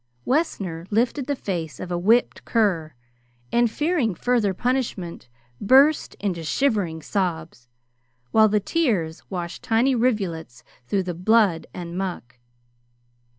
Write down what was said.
Wessner lifted the face of a whipped cur, and fearing further punishment, burst into shivering sobs, while the tears washed tiny rivulets through the blood and muck.